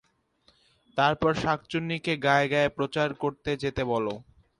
তারপর শাঁকচুন্নীকে গাঁয়ে গাঁয়ে প্রচার করতে যেতে বলো।